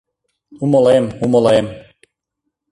Умылем, умылем.